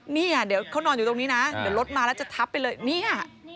เนี่ยเดี๋ยวเขานอนอยู่ตรงนี้นะเดี๋ยวรถมาแล้วจะทับไปเลยเนี่ย